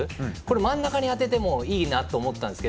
真ん中に当ててもいいなと思ったんですが。